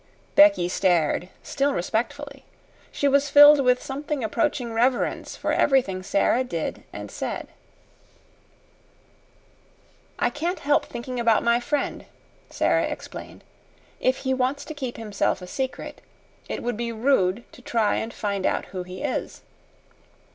Becky stared still respectfully. She was filled with something approaching reverence for everything Sara did and said. "I can't help thinking about my friend," Sara explained. "If he wants to keep himself a secret, it would be rude to try and find out who he is.